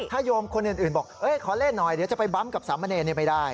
โยมคนอื่นบอกขอเล่นหน่อยเดี๋ยวจะไปบั้มกับสามเณรไม่ได้